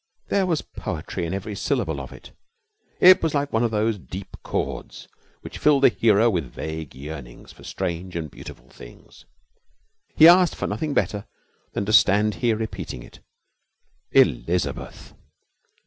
There was poetry in every syllable of it. It was like one of those deep chords which fill the hearer with vague yearnings for strange and beautiful things. He asked for nothing better than to stand here repeating it. 'Elizabeth!'